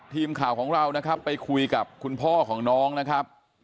ทีมข่าวของเรานะครับไปคุยกับคุณพ่อของน้องนะครับ